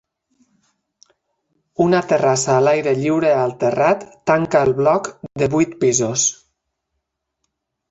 Una terrassa a l'aire lliure al terrat tanca el bloc de vuit pisos.